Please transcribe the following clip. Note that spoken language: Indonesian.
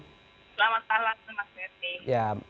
selamat malam mbak miranti